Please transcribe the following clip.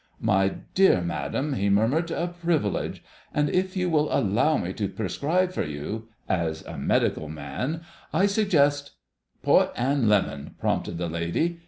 "My dear madam," he murmured—"a privilege! And if you will allow me to prescribe for you—as a Medical Man—I suggest——" "Port an' lemon," prompted the lady.